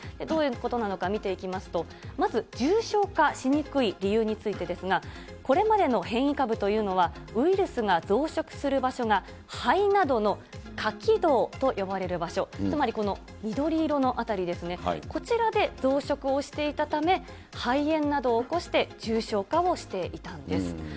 どういうことなのか、見ていきますと、まず重症化しにくい理由についてですが、これまでの変異株というのは、ウイルスが増殖する場所が肺などの下気道と呼ばれる場所、つまりこの緑色の辺りですね、こちらで増殖をしていたため、肺炎などを起こして重症化をしていたんです。